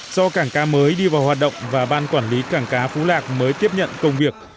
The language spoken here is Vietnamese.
do cảng cá mới đi vào hoạt động và ban quản lý cảng cá phú lạc mới tiếp nhận công việc